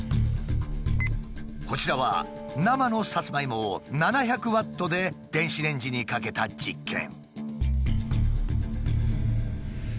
こちらは生のサツマイモを７００ワットで電子レンジにかけた実験。